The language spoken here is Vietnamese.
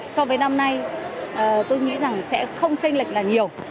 so với năm nay tôi nghĩ rằng sẽ không tranh lệch là nhiều